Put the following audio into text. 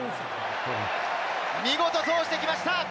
見事、通してきました。